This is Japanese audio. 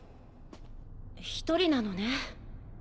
一人なのね？